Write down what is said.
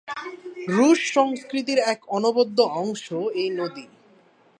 রুশ সংস্কৃতির এক অনবদ্য অংশ এই নদী।